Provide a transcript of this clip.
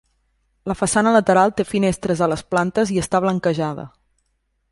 La façana lateral té finestres a les plantes i està blanquejada.